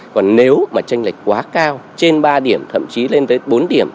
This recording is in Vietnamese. còn nếu mà tranh lệch quá cao trên ba điểm thậm chí lên tới bốn điểm